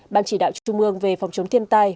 ban chỉ đạo trung ương về phòng chống thiên tai